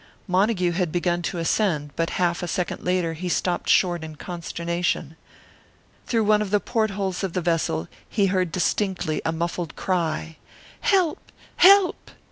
Montague had begun to ascend; but a half a second later he stopped short in consternation. Through one of the portholes of the vessel he heard distinctly a muffled cry, "Help! help!"